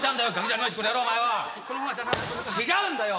違うんだよ！